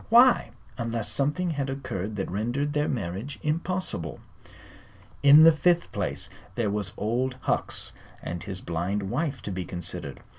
Why unless something had occurred that rendered their marriage impossible? In the fifth place there was Old Hucks and his blind wife to be considered.